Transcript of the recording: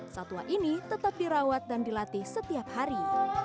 satwa ini tetap dirawat dan dilatih setiap hari